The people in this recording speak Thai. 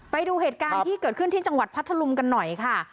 ไปดูเหตุการณ์ที่เกิดขึ้นที่จังหวัดพัทธลุงกันหน่อยค่ะ